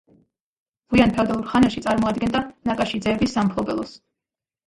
გვიან ფეოდალურ ხანაში წარმოადგენდა ნაკაშიძეების სამფლობელოს.